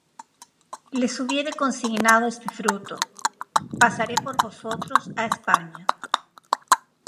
les hubiere consignado este fruto, pasaré por vosotros á España.